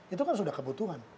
itu kan sudah kebutuhan